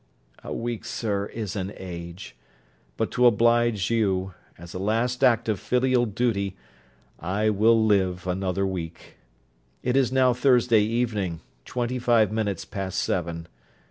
'A week, sir, is an age: but, to oblige you, as a last act of filial duty, I will live another week. It is now Thursday evening, twenty five minutes past seven.